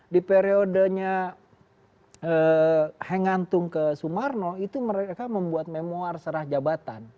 di periodenya hengantung ke sumarno itu mereka membuat memoar serah jabatan